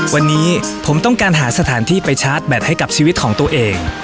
วันนี้ผมต้องการหาสถานที่ไปชาร์จแบตให้กับชีวิตของตัวเอง